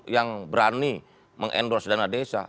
yang berani mengendorse dana desa